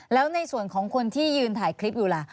แล้วในส่วนของคนที่ยืนถ่ายคลิปอยู่ล่ะ